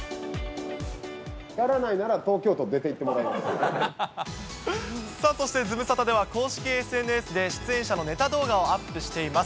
やらないなら東京から出ていさあ、そしてズムサタでは、公式ＳＮＳで出演者のネタ動画をアップしています。